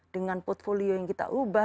dengan portfolio yang kita ubah